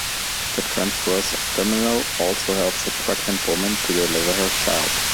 The transverse abdominal also helps a pregnant woman to deliver her child.